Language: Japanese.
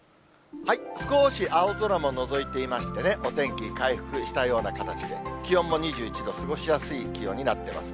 すこーし青空ものぞいていましてね、お天気回復したような形で、気温も２１度、過ごしやすい気温になってます。